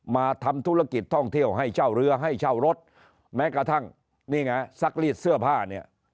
มาทำธุรกิจท่องเที่ยวให้เช่าเรือให้เช่ารถแม้กระทั่งนี่ไงซักรีดเสื้อผ้าเนี่ย